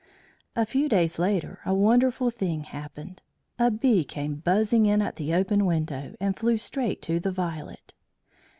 A few days later a wonderful thing happened. A bee came buzzing in at the open window and flew straight to the Violet.